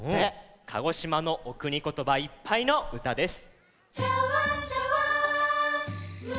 鹿児島のおくにことばいっぱいのうたです。